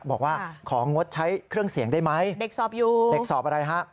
บอกว่าของงดใช้เครื่องเสียงได้ไหมเด็กสอบอยู่เด็กสอบอะไรฮะ